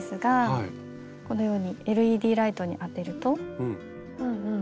このようにＬＥＤライトに当てると。